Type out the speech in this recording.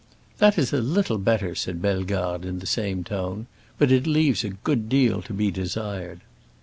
"That is a little better," said Bellegarde in the same tone, "but it leaves a good deal to be desired."